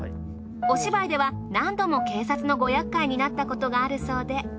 お芝居では何度も警察のご厄介になったことがあるそうで。